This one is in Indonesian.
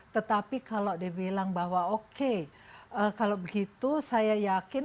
tetapi kalau dibilang bahwa oke kalau begitu saya yakin